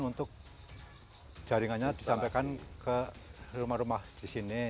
untuk jaringannya disampaikan ke rumah rumah di sini